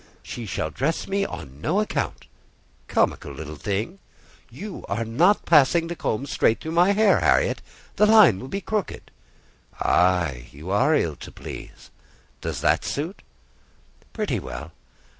"She shall dress me on no account." "Comical little thing!" "You are not passing the comb straight through my hair, Harriet; the line will be crooked." "Ay, you are ill to please. Does that suit?" "Pretty well.